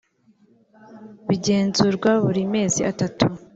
bigenzurwa buri mezi atatu